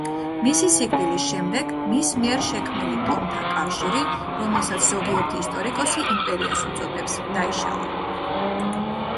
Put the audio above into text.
მისი სიკვდილის შემდეგ მის მიერ შექმნილი ტომთა კავშირი, რომელსაც ზოგიერთი ისტორიკოსი „იმპერიას“ უწოდებს, დაიშალა.